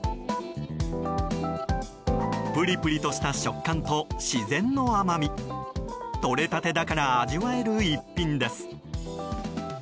プリプリとした食感と自然の甘みとれたてだから味わえる逸品です。